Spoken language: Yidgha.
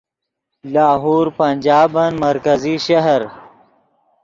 لاہور پنجابن مرکزی شہر